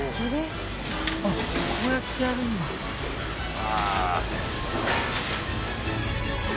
あっこうやってやるんだ。